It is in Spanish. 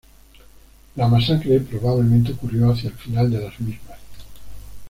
La masacre probablemente ocurrió hacia el final de las mismas.